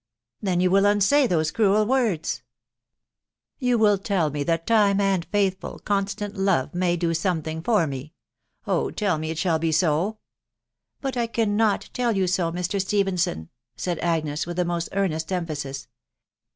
" Then you will unsay those cruel words ?.... You will tell me that time and faithful, constant love may do something for me .... Oh ! tell me it shall be so." " But I cannot tell you so, Mr. Stephenson," said Agnes with the most earnest emphasis.